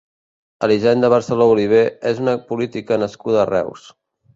Elisenda Barceló Olivé és una política nascuda a Reus.